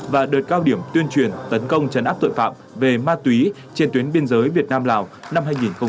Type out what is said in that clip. và đợt cao điểm tuyên truyền tấn công trấn áp tội phạm về ma túy trên tuyến biên giới việt nam lào năm hai nghìn hai mươi ba